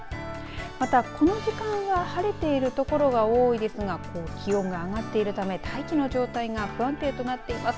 またこの時間は晴れているところが多いですが気温が上がっているため大気の状態が不安定となっています。